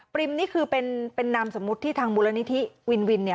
ปริมนี่คือเป็นนามสมมติที่ทางบุรณิธิวิน